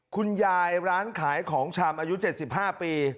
คุณยายร้านขายของชำอายุ๗๕ปี